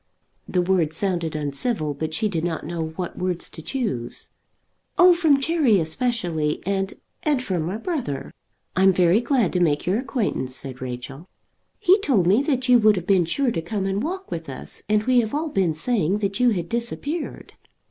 The words sounded uncivil, but she did not know what words to choose. "Oh, from Cherry especially; and and from my brother." "I'm very glad to make your acquaintance," said Rachel. "He told me that you would have been sure to come and walk with us, and we have all been saying that you had disappeared."